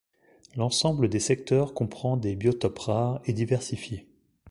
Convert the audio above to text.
L’ensemble des secteurs comprend des biotopes rares et diversifiés.